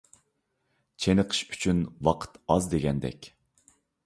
چېنىقىش ئۈچۈن ۋاقىت ئاز دېگەندەك.